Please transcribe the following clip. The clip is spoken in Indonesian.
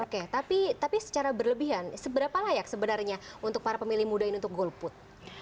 oke tapi secara berlebihan seberapa layak sebenarnya untuk para pemilih muda ini untuk golput